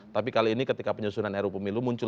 tapi kali ini ketika penyusunan ru pemilu muncul